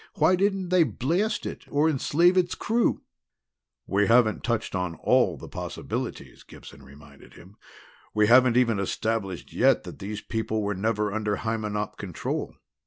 Why didn't they blast it or enslave its crew?" "We haven't touched on all the possibilities," Gibson reminded him. "We haven't even established yet that these people were never under Hymenop control.